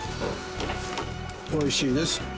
おいしいです。